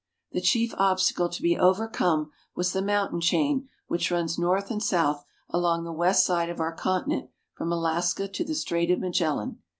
The chief obstacle to be overcome was the mountain chain which runs north and south along the west side of our continent from Alaska to the Strait of Magellan.